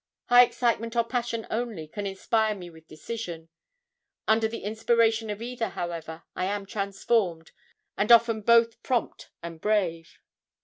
High excitement or passion only can inspire me with decision. Under the inspiration of either, however, I am transformed, and often both prompt and brave.